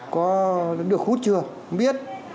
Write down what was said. có được hút chưa không biết